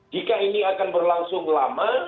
jika ini akan berlangsung lama